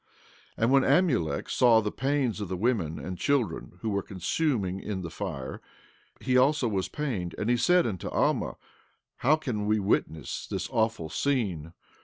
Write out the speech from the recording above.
14:10 And when Amulek saw the pains of the women and children who were consuming in the fire, he also was pained; and he said unto Alma: How can we witness this awful scene?